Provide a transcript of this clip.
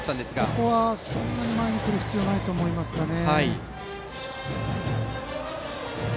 ここはそんなに前に来る必要はないと思いますけどね。